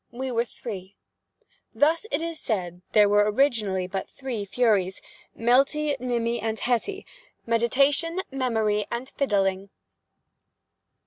We were three. Thus it is said there were originally but three Furies—Melty, Nimmy, and Hetty—Meditation, Memory, and Fiddling.